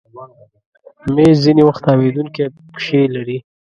مېز ځینې وخت تاوېدونکی پښې لري.